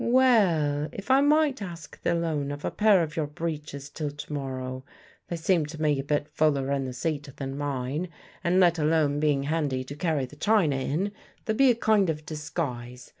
"Well, if I might ask the loan of a pair of your breeches till to morrow. They seem to me a bit fuller in the seat than mine, and let alone being handy to carry the china in, they'll be a kind of disguise.